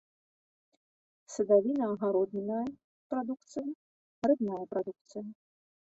Садавінна-агароднінная прадукцыя, рыбная прадукцыя.